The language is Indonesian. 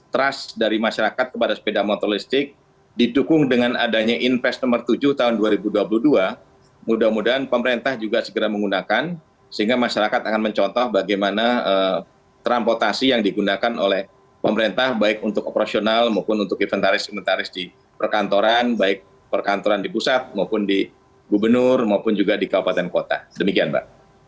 trust dari masyarakat kepada sepeda motor listrik didukung dengan adanya invest nomor tujuh tahun dua ribu dua puluh dua mudah mudahan pemerintah juga segera menggunakan sehingga masyarakat akan mencontoh bagaimana transportasi yang digunakan oleh pemerintah baik untuk operasional maupun untuk inventaris inventaris di perkantoran baik perkantoran di pusat maupun di gubernur maupun juga di kabupaten kota demikian mbak